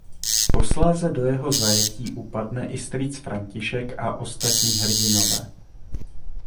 Posléze do jeho zajetí upadne i strýc František a ostatní hrdinové.